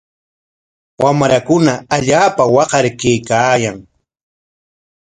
Wamrakuna allaapa waqar kaykaayan.